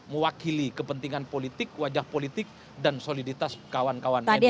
mewakili kepentingan politik wajah politik dan soliditas kawan kawan nu yang memilih